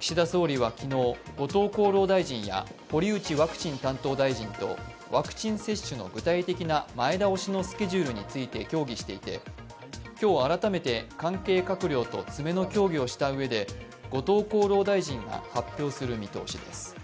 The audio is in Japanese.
岸田総理は昨日、後藤厚労大臣や堀内ワクチン担当大臣とワクチン接種の具体的な前倒しのスケジュールについて協議していて、今日改めて関係閣僚と詰めの協議をしたうえで後藤厚労大臣が発表する見通しです。